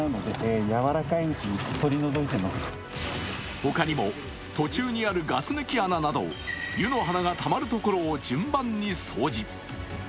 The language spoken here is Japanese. ほかにも、途中にあるガス抜き穴など、湯の花がたまるところを順番に掃除。